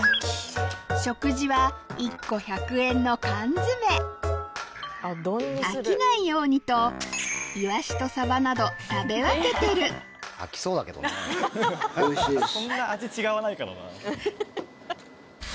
食事は１個１００円の缶詰飽きないようにとイワシとサバなど食べ分けてるおいしいです。